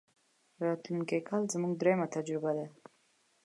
راتلونکی کال زموږ درېمه تجربه ده.